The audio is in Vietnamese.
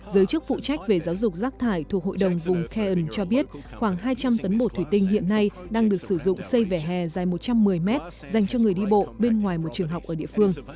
giới chức phụ trách về giáo dục rác thải thuộc hội đồng vùng cairn cho biết khoảng hai trăm linh tấn bột thủy tinh hiện nay đang được sử dụng xây vẻ hè dài một trăm một mươi mét dành cho người đi bộ bên ngoài một trường học ở địa phương